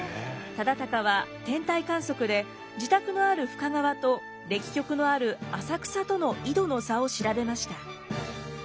忠敬は天体観測で自宅のある深川と暦局のある浅草との緯度の差を調べました。